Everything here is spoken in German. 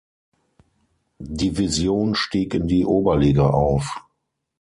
Division stieg in die Oberliga auf.